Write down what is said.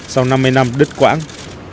sau năm mươi năm đứt quãng